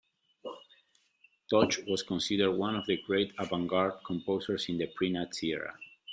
Toch was considered one of the great avant-garde composers in the pre-Nazi era.